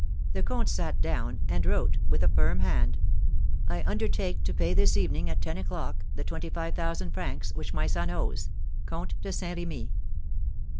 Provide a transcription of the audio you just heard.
The comte sat down and wrote, with a firm hand: "I undertake to pay this evening, at ten o'clock, the twenty five thousand francs which my son owes. "COMTE DE SAINT REMY."